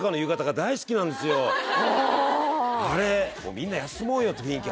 みんな休もうよっていう雰囲気